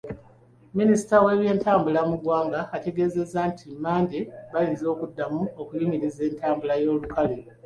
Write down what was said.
Minisita w’ebyentambula mu ggwanga ategeezezza nti ku Mmande bayinza okuddamu okuyimiriza entambula y’olukale.